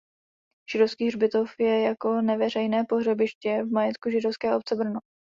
Židovský hřbitov je jako neveřejné pohřebiště v majetku Židovské obce Brno.